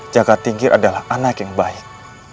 jaga tinggir adalah anak yang baik